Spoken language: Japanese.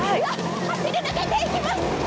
走り抜けていきます！